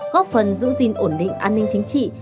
góp phần giữ gìn ổn định an ninh chính trị